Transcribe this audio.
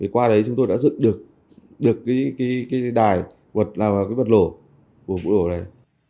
qua đấy chúng tôi đã dựng được đài vật lổ của vụ lổ này